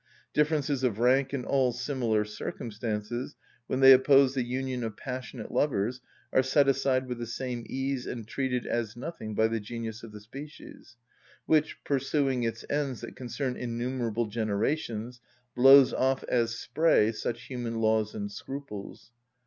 Differences of rank and all similar circumstances, when they oppose the union of passionate lovers, are set aside with the same ease and treated as nothing by the genius of the species, which, pursuing its ends that concern innumerable generations, blows off as spray such human laws and scruples.